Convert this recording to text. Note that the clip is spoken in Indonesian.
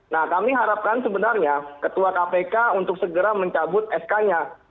nah kami harapkan sebenarnya ketua kpk untuk segera mencabut sk nya